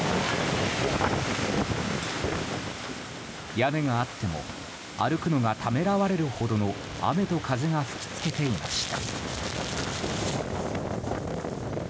屋根があっても歩くのがためらわれるほどの雨と風が吹きつけていました。